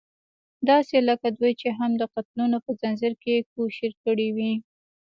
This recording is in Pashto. داسې لکه دوی چې هم د قتلونو په ځنځير کې کوشير کړې وي.